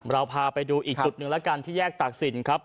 เราพาไปดูอีกจุดหนึ่งแล้วกันที่แยกตากศิลป์ครับ